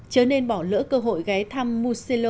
chứa nên bỏ lỡ cơ hội ghé thăm muxelo